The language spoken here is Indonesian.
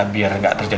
biar gak terlalu